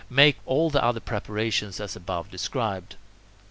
Make all the other preparations as above described.